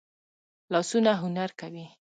لاسونه هنر کوي